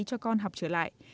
cho con học trở lại